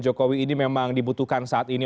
jokowi ini memang dibutuhkan saat ini